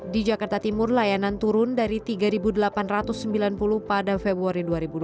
di jakarta timur layanan turun dari tiga delapan ratus sembilan puluh pada februari dua ribu dua puluh